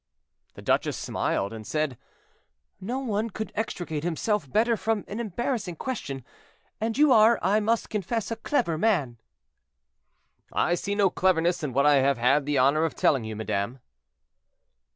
The duchess smiled, and said, "No one could extricate himself better from an embarrassing question: and you are, I must confess, a clever man." "I see no cleverness in what I have had the honor of telling you, madame."